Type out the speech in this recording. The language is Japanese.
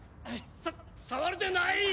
さ触るでない！